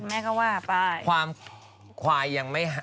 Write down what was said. แม่ก็ว่าไป